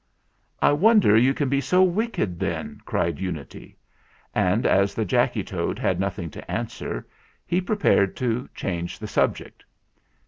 "I wonder you can be so wicked, then," cried Unity; and as the Jacky Toad had nothing to answer, he prepared to change the subject.